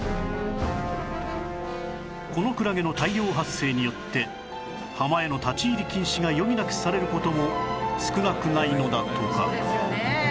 このクラゲの大量発生によって浜への立ち入り禁止が余儀なくされる事も少なくないのだとか